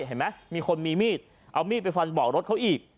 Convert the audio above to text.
เห็นไหมมีคนมีมีดเอามีดไปฟันเบาะรถเขาอีก